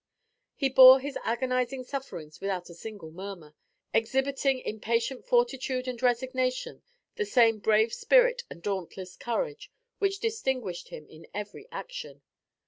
He bore his agonizing sufferings without a single murmur, exhibiting in patient fortitude and resignation the same brave spirit and dauntless courage which distinguished him in every action.